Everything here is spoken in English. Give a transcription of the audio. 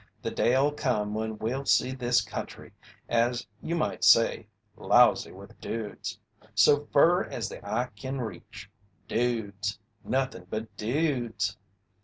The day'll come when we'll see this country, as you might say, lousy with dudes! So fur as the eye kin reach dudes! Nothin' but dudes!"